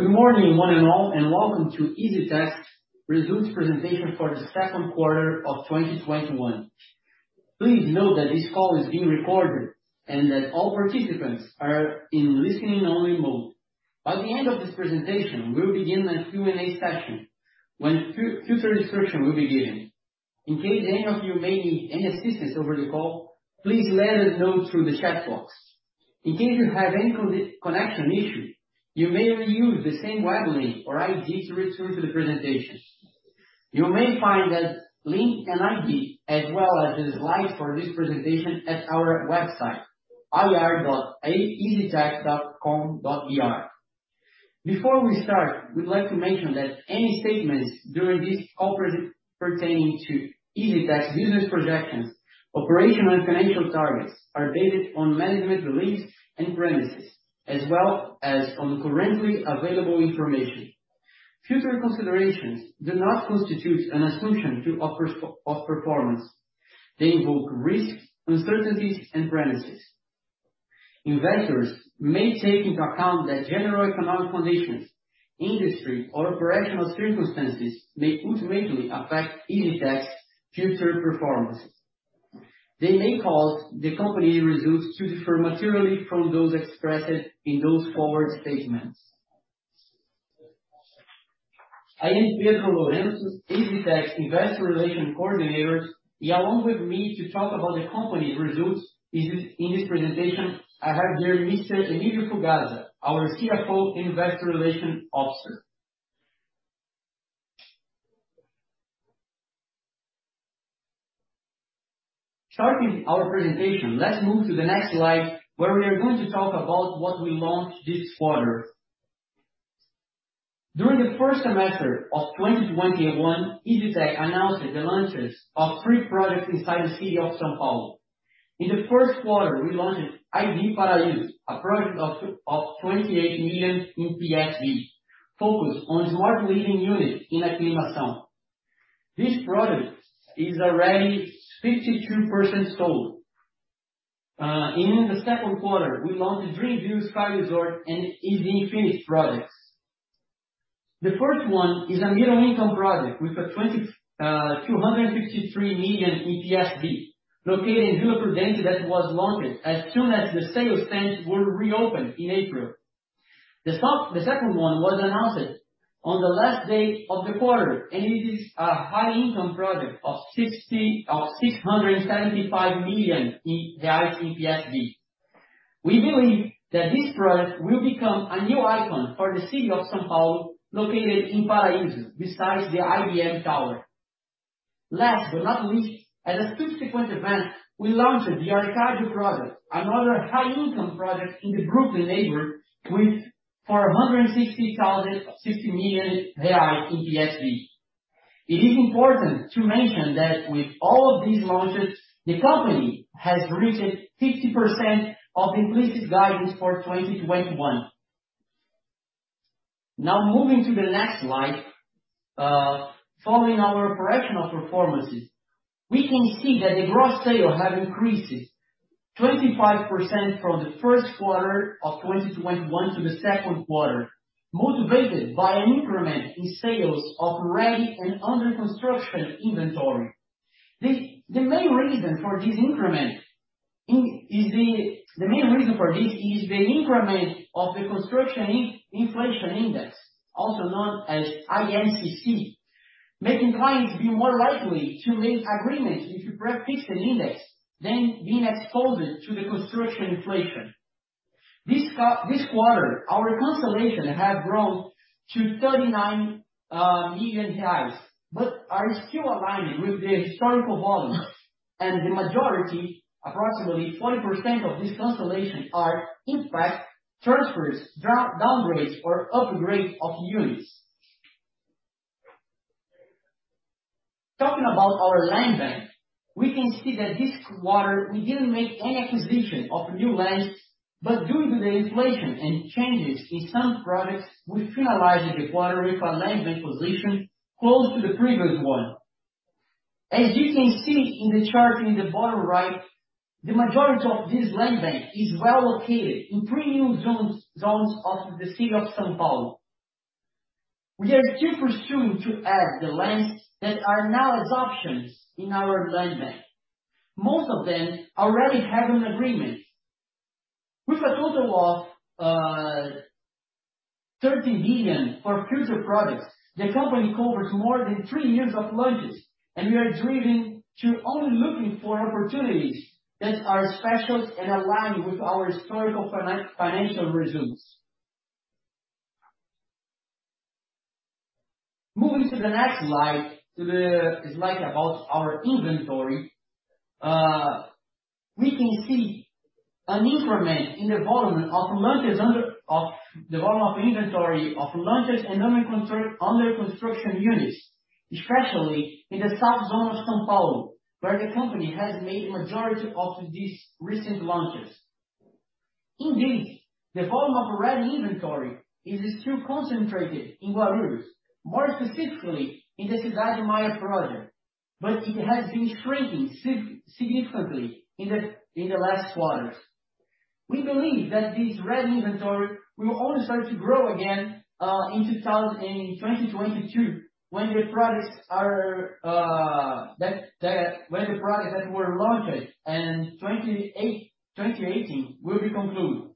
Good morning one and all. Welcome to EZTEC results presentation for the second quarter of 2021. Please note that this call is being recorded and that all participants are in listening only mode. By the end of this presentation, we'll begin a Q&A session when future instruction will be given. In case any of you may need any assistance over the call, please let us know through the chat box. In case you have any connection issue, you may reuse the same web link or ID to return to the presentation. You may find that link and ID, as well as the slides for this presentation at our website, ir.eztec.com.br. Before we start, we'd like to mention that any statements during this call pertaining to EZTEC business projections, operational and financial targets are based on management beliefs and premises, as well as on currently available information. Future considerations do not constitute an assumption to our performance. They invoke risks, uncertainties and premises. Investors may take into account that general economic conditions, industry or operational circumstances may ultimately affect EZTEC's future performance. They may cause the company results to differ materially from those expressed in those forward statements. I am Pedro Lourenço, EZTEC Investor Relations Coordinator, and along with me to talk about the company results in this presentation, I have here Mr. Emílio Fugazza, our CFO and Investor Relations Officer. Starting our presentation, let's move to the next slide where we are going to talk about what we launched this quarter. During the first semester of 2021, EZTEC announced the launches of three projects inside the city of São Paulo. In the first quarter, we launched ID Paraíso, a project of 28 million in PSV, focused on smart living units in Aclimação. This product is already 52% sold. In the second quarter, we launched Dream View Sky Resort and EZ Infinity products. The first one is a middle income project with 253 million in PSV, located in Vila Prudente that was launched as soon as the sales stands were reopened in April. The second one was announced on the last day of the quarter, it is a high income project of 675 million in PSV. We believe that this product will become a new icon for the city of São Paulo, located in Paraíso, besides the IBM Building. Last but not least, at a subsequent event, we launched the Arcadia product, another high income project in the Brooklin neighborhood with 460,060 million reais in PSV. It is important to mention that with all of these launches, the company has reached 50% of implicit guidance for 2021. Now moving to the next slide, following our operational performances, we can see that the gross sales have increased 25% from the first quarter of 2021 to the second quarter, motivated by an increment in sales of ready and under construction inventory. The main reason for this is the increment of the construction inflation index, also known as INCC, making clients be more likely to make agreements with the prefixed index than being exposed to the construction inflation. This quarter, our cancellations have grown to 39 million, but are still aligned with the historical volumes, and the majority, approximately 40% of these cancellations are in fact transfers, downgrades or upgrades of units. Talking about our land bank, we can see that this quarter we didn't make any acquisition of new lands. Due to the inflation and changes in some projects, we finalized the quarter with our land bank position close to the previous one. As you can see in the chart in the bottom right, the majority of this land bank is well located in premium zones of the city of São Paulo. We are still pursuing to add the lands that are now as options in our land bank. Most of them already have an agreement. With a total of 13 million for future projects, the company covers more than 3 years of launches, and we are driven to only looking for opportunities that are special and aligned with our historical financial results. Moving to the next slide, the slide about our inventory. We can see an increment in the volume of inventory of launches and under construction units, especially in the south zone of São Paulo, where the company has made majority of these recent launches. Indeed, the volume of ready inventory is still concentrated in Guarulhos, more specifically in the Cidade Maia project. It has been shrinking significantly in the last quarters. We believe that this ready inventory will only start to grow again in 2022, when the products that were launched in 2018 will be concluded.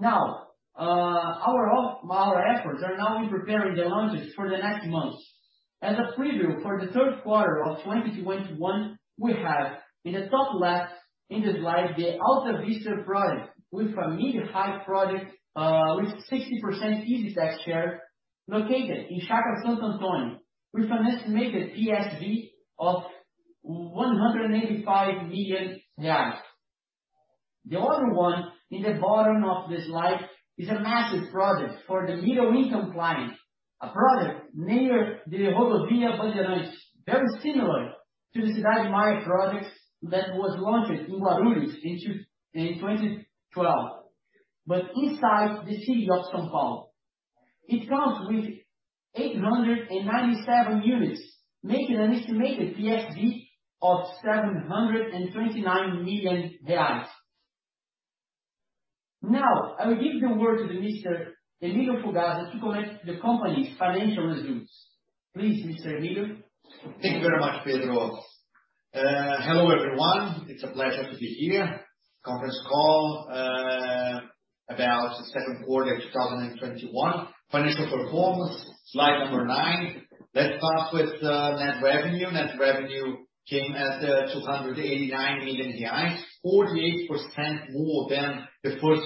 Now, our efforts are now in preparing the launches for the next months. As a preview for the third quarter of 2021, we have in the top left in the slide, the Alta Vista project, which is a mid-high project with 60% EZTEC share, located in Chácara Santo Antônio, with an estimated PSV of 185 million. The other one in the bottom of the slide is a massive project for the middle-income client. A project near the Rodovia dos Bandeirantes, very similar to the Cidade Maia projects that was launched in Guarulhos in 2012, but inside the city of São Paulo. It comes with 897 units, making an estimated PSV of 729 million. I will give the word to Mr. Emílio Fugazza to comment the company's financial results. Please, Mr. Emílio. Thank you very much, Pedro. Hello everyone. It's a pleasure to be here. Conference call about the second quarter 2021 financial performance, slide number nine. Let's start with net revenue. Net revenue came as 289 million reais, 48% more than the first quarter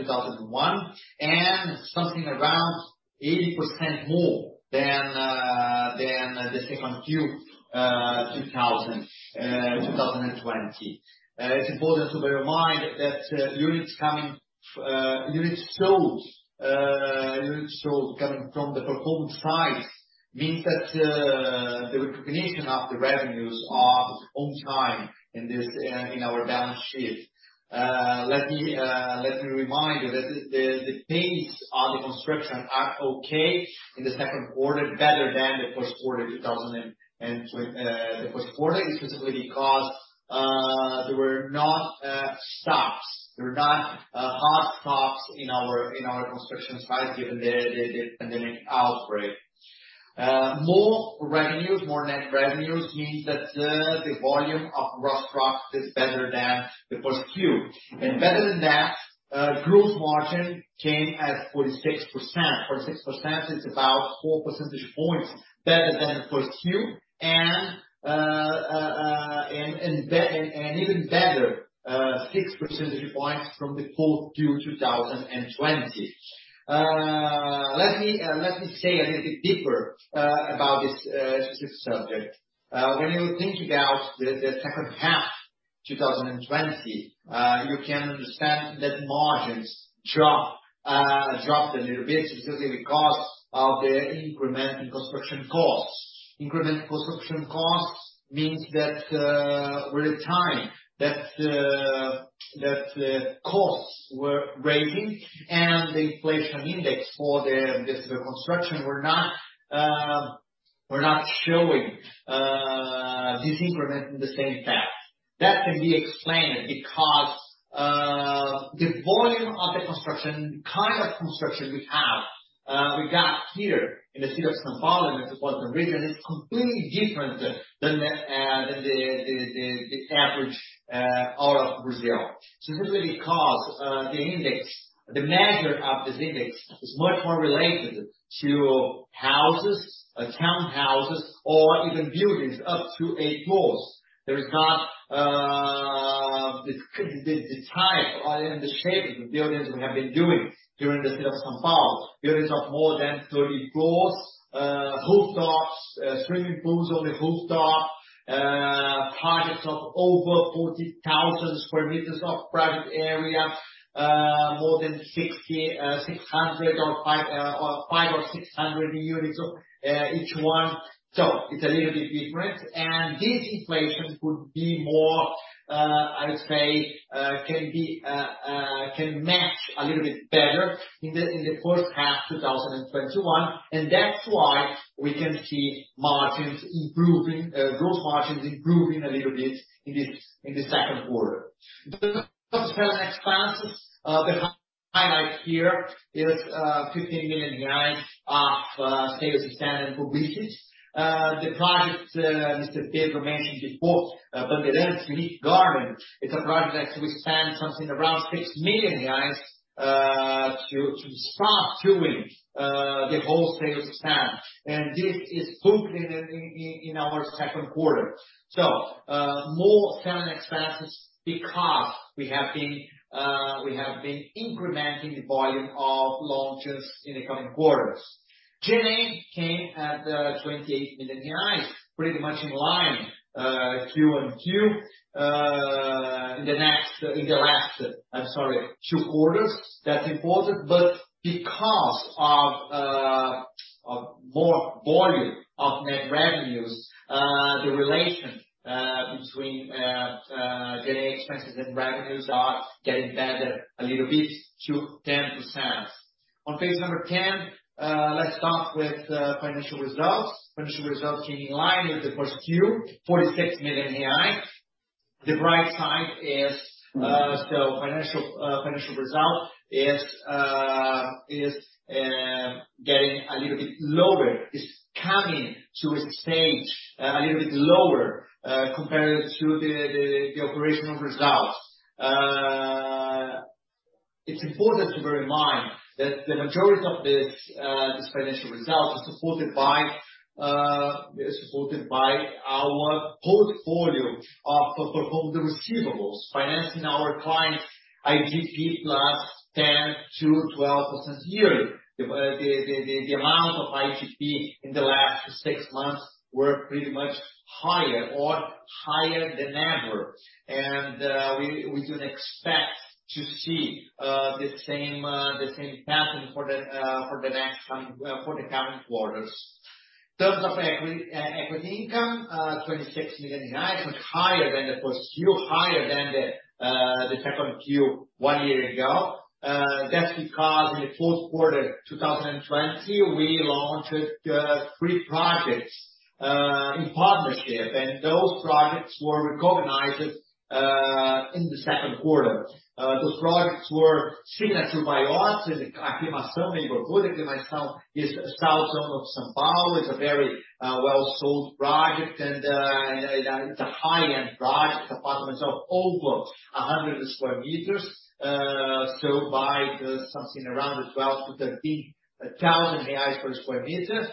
2021, and something around 80% more than the second Q 2020. It's important to bear in mind that units sold coming from the performance side, means that the recognition of the revenues are on time in our balance sheet. Let me remind you that the pace on the construction are okay in the second quarter, better than the first quarter specifically because there were not hard stops in our construction sites given the pandemic outbreak. More net revenues means that the volume of gross profit is better than the first Q. Better than that, gross margin came at 46%, which is about four percentage points better than the first Q, and even better, six percentage points from the fourth Q 2020. Let me say a little bit deeper, about this specific subject. When you think about the second half 2020, you can understand that margins dropped a little bit specifically because of the increment in construction costs. Increment construction costs means that with time, that the costs were raising and the inflation index for the construction were not showing this increment in the same path. That can be explained because the volume of the construction, the kind of construction we got here in the city of São Paulo, in the southern region, is completely different than the average all of Brazil. Specifically because the measure of this index is much more related to houses, townhouses, or even buildings up to eight floors. There is not the type or even the shape of the buildings we have been doing here in the city of São Paulo. Buildings of more than 30 floors, rooftops, swimming pools on the rooftop, projects of over 40,000 square meters of private area, more than 500 or 600 units each one. It's a little bit different, and this inflation could be more, I would say, can match a little bit better in the first half 2021, and that's why we can see gross margins improving a little bit in the second quarter. The selling expenses, the highlight here is 15 million of sales and standard for business. The project Mr. Pedro mentioned before, Bandeirantes Unique Green, it's a project that we spent something around 6 million to start doing the wholesale expand. This is booked in our second quarter. More selling expenses because we have been incrementing the volume of launches in the coming quarters. G&A came at 28 million, pretty much in line Q on Q. In the last two quarters, that's important, but because of more volume of net revenues. The relation between daily expenses and revenues are getting better a little bit to 10%. On page 10, let's start with financial results. Financial results came in line with the first Q, 46 million. The bright side is the financial result is getting a little bit lower. It's coming to a stage a little bit lower compared to the operational results. It's important to bear in mind that the majority of these financial results is supported by our portfolio of performed receivables, financing our clients IGP last 10%-12% yearly. The amount of IGP in the last six months were pretty much higher or higher than ever. We don't expect to see the same pattern for the current quarters. In terms of equity income, 26 million, much higher than the first Q, higher than the second Q one year ago. That's because in the fourth quarter of 2020, we launched three projects in partnership, and those projects were recognized in the second quarter. Those projects were Signature by Ott, in Aclimação, in Bairro Alto. Aclimação is south zone of São Paulo, it's a very well sold project and it's a high-end project, apartments of over 100 sq m, sold by something around 12,000-13,000 reais per sq m.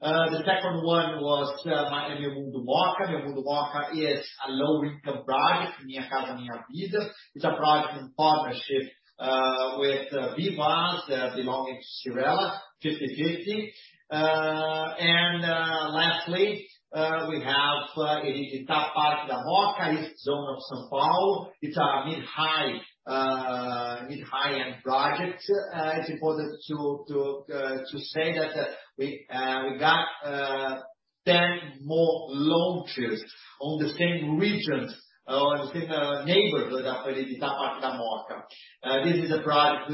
The second one was Meu Mundo Mooca. Meu Mundo Mooca is a low-income project, Minha Casa, Minha Vida. It's a project in partnership with Vivaz, belonging to Cyrela, 50/50. Lastly, we have a Eredità Parque da Mooca, east zone of São Paulo. It's a mid-high end project. It's important to say that we got 10 more launches on the same region, on the same neighborhood of Eredità Parque da Mooca. This is a project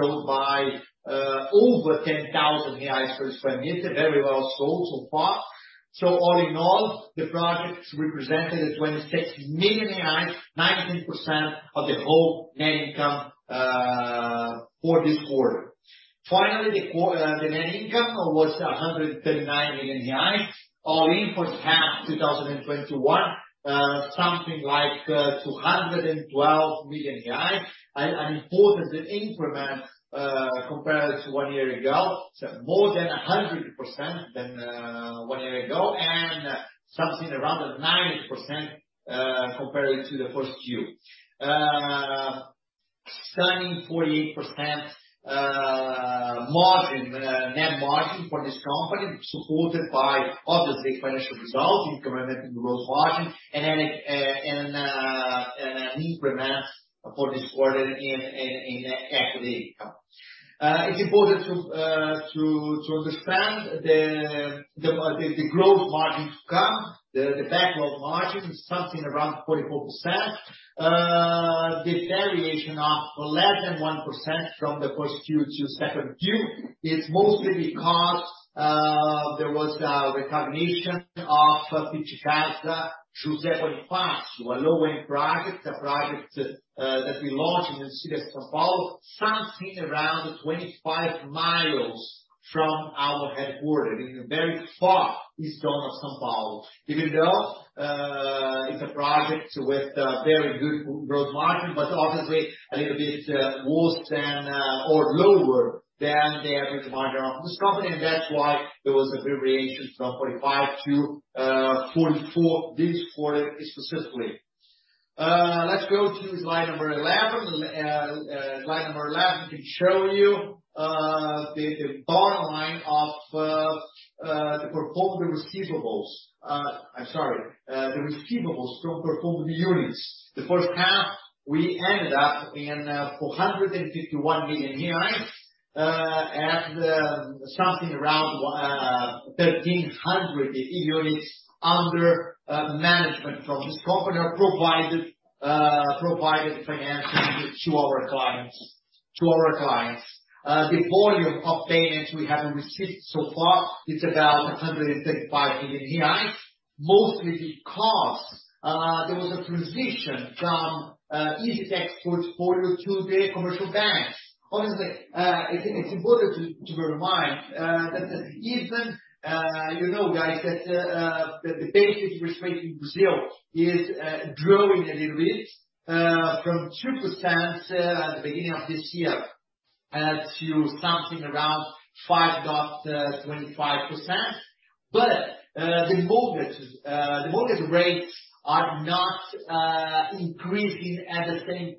sold by over 10,000 reais per square meter, very well sold so far. All in all, the projects represented 26 million, 19% of the whole net income for this quarter. Finally, the net income was BRL 139 million, all in for half 2021, something like BRL 212 million. An important increment compared to one year ago, more than 100% than one year ago, and something around 90% compared to the first Q. A stunning 48% net margin for this company, supported by obviously financial results, increment in gross margin, and an increment for this quarter in equity income. It's important to understand the gross margin to come, the backlog margin, something around 44%. The variation of less than 1% from the first Q to second Q is mostly because there was a recognition of Fit Casa José Bonifácio, a low-end project, a project that we launched in the city of São Paulo, something around 25 miles from our headquarters in the very far east zone of São Paulo. Even though it's a project with very good gross margin, but obviously a little bit worse than or lower than the average margin of this company, and that's why there was a variation from 45%-44% this quarter specifically. Let's go to slide number 11. Slide number 11 can show you the bottom line of the performed receivables. I'm sorry, the receivables from performed units. The first half, we ended up in 451 million, and something around 1,300 units under management from this company, or provided financing to our clients. The volume of payments we have received so far is about 135 million, mostly because there was a transition from EZTEC's portfolio to the commercial banks. Honestly, it's important to bear in mind that even, you know, guys, that the basic rate in Brazil is growing a little bit, from 2% at the beginning of this year to something around 5.25%. The mortgage rates are not increasing at the same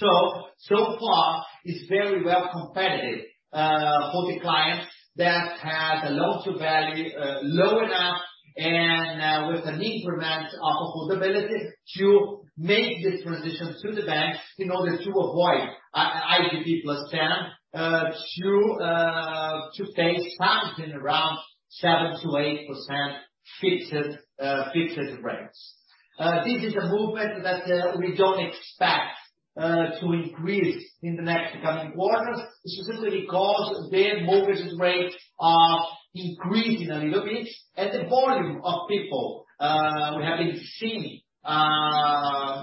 pattern. So far it's very well competitive for the clients that have the loan-to-value low enough. With an increment of affordability to make this transition to the bank in order to avoid IGP plus 10, to face something around 7%-8% fixed rates. This is a movement that we don't expect to increase in the next coming quarters, specifically because their mortgage rates are increasing a little bit. The volume of people we have been seeing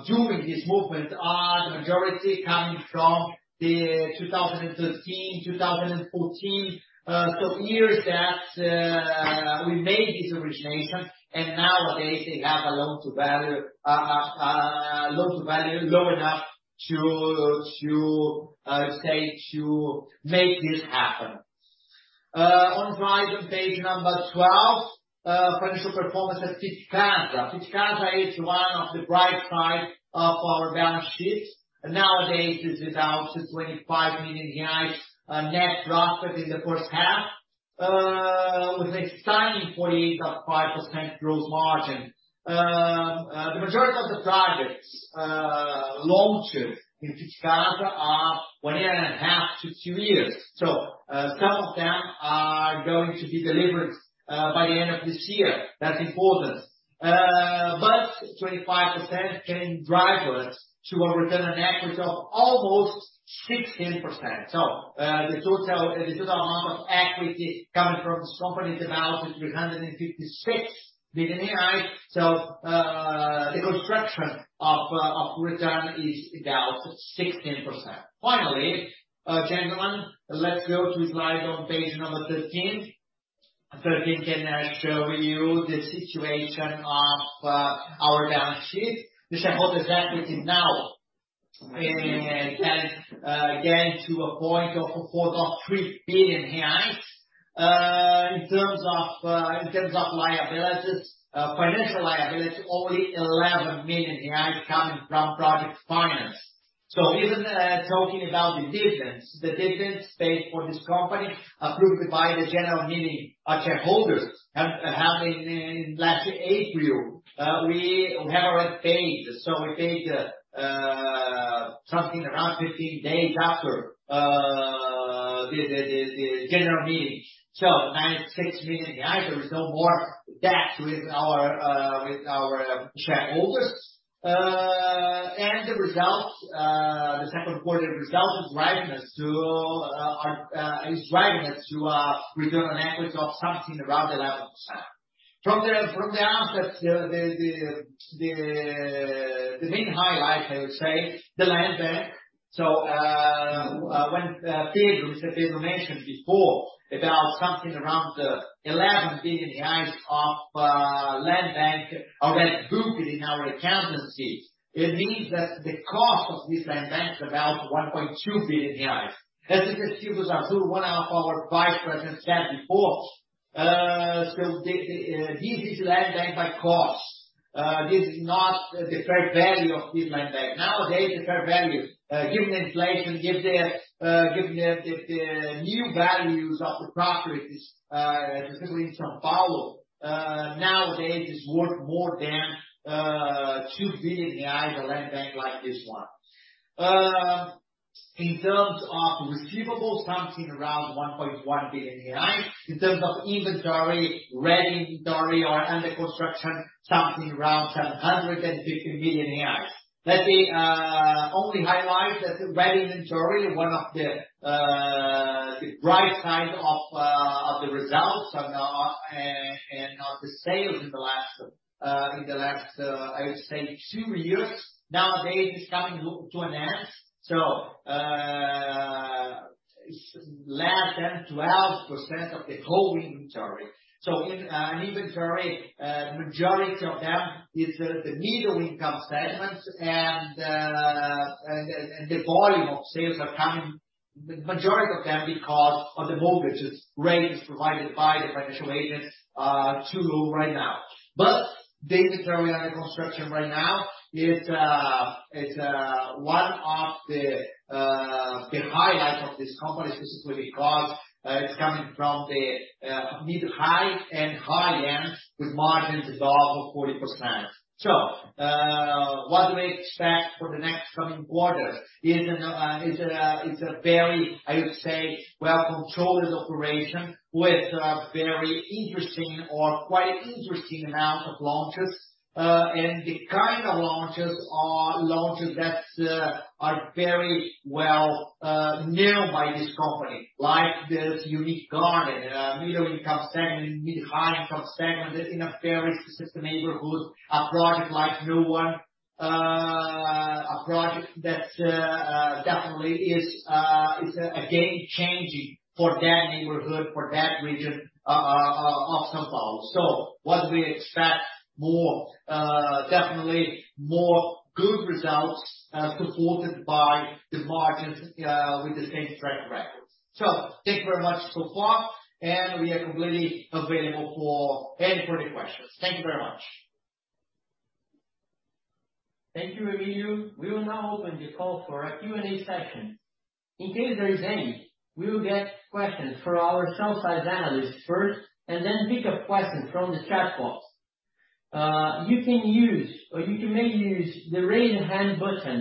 during this movement are majority coming from the 2013, 2014, so years that we made this origination, and nowadays they have a loan-to-value low enough to make this happen. On slide on page number 12, financial performance at Fit Casa. Fit Casa is one of the bright side of our balance sheets. Nowadays, this is our 25 million net profit in the first half, with an exciting 48.5% gross margin. The majority of the projects launched in Fit Casa are one year and a half to two years. Some of them are going to be delivered by the end of this year. That's important. 25% can drive us to a return on equity of almost 16%. The total amount of equity coming from this company is about 356 million. The construction of return is about 16%. Finally, gentlemen, let's go to slide on page number 13. 13 can show you the situation of our balance sheet. The shareholder's equity now has gotten to a point of 4.3 billion reais. In terms of financial liability, only 11 million coming from project finance. Even talking about the dividends, the dividends paid for this company approved by the general meeting of shareholders held in last April. We have already paid. We paid something around 15 days after the general meeting. 96 million, there is no more debt with our shareholders. The second quarter result is driving us to a return on equity of something around 11%. From the assets, the main highlight I would say, the land bank. When Pedro mentioned before about something around 11 billion of land bank already booked in our accountancy, it means that the cost of this land bank is about 1.2 billion reais. As the excuse was also one of our vice president said before, this is land bank by cost. This is not the fair value of this land bank. Nowadays, the fair value given the inflation, given the new values of the properties, specifically in São Paulo, nowadays it's worth more than 2 billion reais, a land bank like this one. In terms of receivables, something around 1.1 billion reais. In terms of inventory, ready inventory or under construction, something around 750 million reais. Let me only highlight that the ready inventory, one of the bright side of the results and of the sales in the last, I would say two years. Nowadays, it's coming to an end. Less than 12% of the whole inventory. In inventory, majority of them is the middle income segments and the volume of sales are coming, the majority of them because of the mortgages rates provided by the financial agents are too low right now. The inventory under construction right now is one of the highlights of this company specifically because it's coming from the mid high and high end with margins above 40%. What do we expect for the next coming quarters? It's a very, I would say, well-controlled operation with very interesting or quite interesting amount of launches. The kind of launches are launches that are very well known by this company, like this Unique Green, middle income segment, mid high income segment in a very specific neighborhood, a project like no one. A project that definitely is a game changing for that neighborhood, for that region of São Paulo. What we expect more, definitely more good results, supported by the margins, with the same track records. Thank you very much so far, and we are completely available for any further questions. Thank you very much. Thank you, Emílio. We will now open the call for a Q&A session. In case there is any, we will get questions for our sell-side analysts first and then pick a question from the chat box. You may use the Raise Hand button